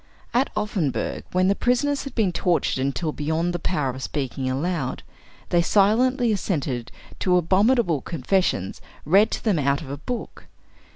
At Offenburg, when the prisoners had been tortured until beyond the power of speaking aloud, they silently assented to abominable confessions read to them out of a book.